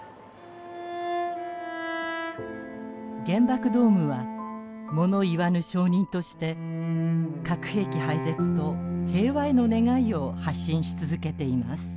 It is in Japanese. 原爆ドームは物言わぬ証人として核兵器廃絶と平和への願いを発信し続けています。